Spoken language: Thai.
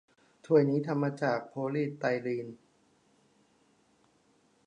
ถ้วยนี้ทำมาจากโพลีสไตรีน